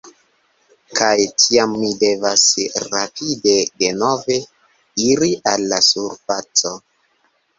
Kaj tiam mi devas rapide denove iri al la surfaco.